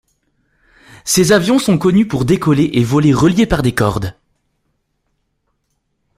Ces avions sont connus pour décoller et voler reliés par des cordes.